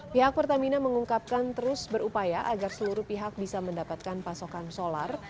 pihak pertamina mengungkapkan terus berupaya agar seluruh pihak bisa mendapatkan pasokan solar